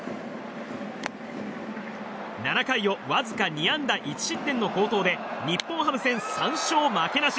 ７回をわずか２安打１失点の好投で日本ハム戦３勝負けなし。